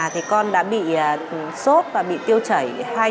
thì con đã bị sốt và bị tiêu chảy